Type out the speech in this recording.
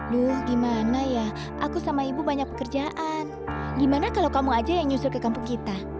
duh gimana ya aku sama ibu banyak pekerjaan gimana kalau kamu aja yang nyusul ke kampung kita